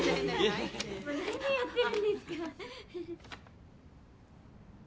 何やってるんですか。